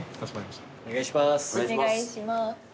お願いします。